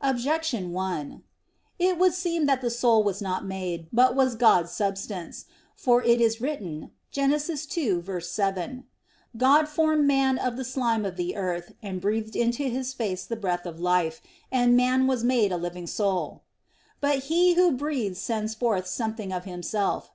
Objection 1: It would seem that the soul was not made, but was God's substance. For it is written (Gen. 2:7): "God formed man of the slime of the earth, and breathed into his face the breath of life, and man was made a living soul." But he who breathes sends forth something of himself.